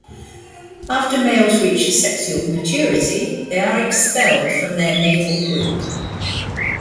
After males reach sexual maturity, they are expelled from their natal group.